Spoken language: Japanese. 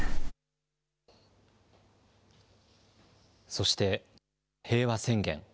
そして平和宣言。